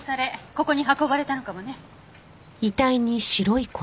ここに運ばれたのかもね。